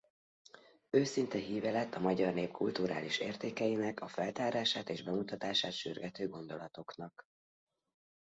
Őszinte híve lett a magyar nép kulturális értékeinek a feltárását és bemutatását sürgető gondolatoknak.